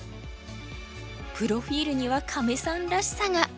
プロフィールにはカメさんらしさが。